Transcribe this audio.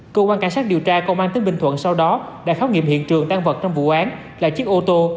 cơ quan cảnh sát điều tra công an tỉnh bình thuận sau đó đã khám nghiệm hiện trường tan vật trong vụ án là chiếc ô tô